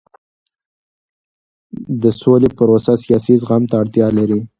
د سولې پروسه سیاسي زغم ته اړتیا لري